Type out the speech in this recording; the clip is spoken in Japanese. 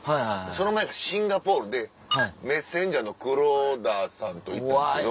その前がシンガポールでメッセンジャーの黒田さんと行ったんですけど。